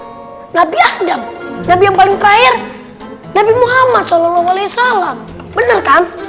ya nabi adam yang paling terakhir tapi muhammad sholallaualaihi salam bener kan